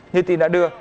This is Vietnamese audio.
như tin đã đưa